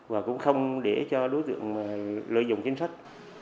và cũng không để cho đối tượng lợi dụng chính sách